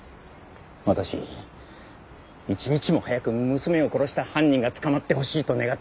私一日も早く娘を殺した犯人が捕まってほしいと願ってます。